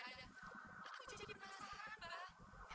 aku jadi penasaran mbak